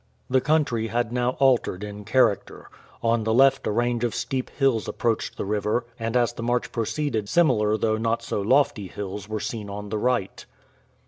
The country had now altered in character. On the left a range of steep hills approached the river, and as the march proceeded similar though not so lofty hills were seen on the right.